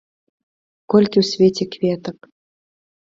Колькі ў свеце кветак?